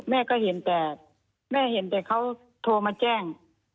แม่ก็เห็นแต่แม่เห็นแต่เขาโทรมาแจ้ง